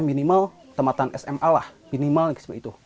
minimal tempatan sma lah minimal seperti itu